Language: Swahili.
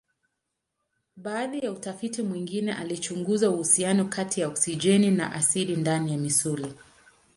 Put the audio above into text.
Baadhi ya utafiti mwingine alichunguza uhusiano kati ya oksijeni na asidi ndani ya misuli.